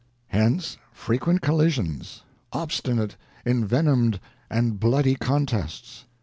ŌĆö Hence frequent collisions, obstinate, en venomed and bloody contests.